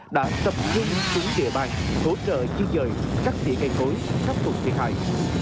đã tập trung xuống địa bàn hỗ trợ chiến dời các địa cây cối khắc phục thiệt hại